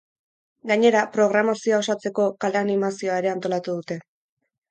Gainera, programazioa osatzeko kale animazioa ere antolatu dute.